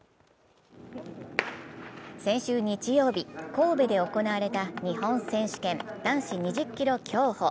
先週日曜日、神戸で行われた日本選手権男子２０ｋｍ競歩。